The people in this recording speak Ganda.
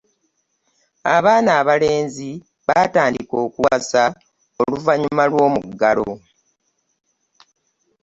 Abaana abalenzi baatandika kuwasa oluvanyuma lw'omuggalo.